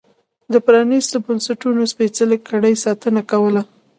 د پرانیستو بنسټونو سپېڅلې کړۍ ساتنه کوله.